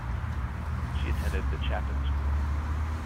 She attended the Chapin School.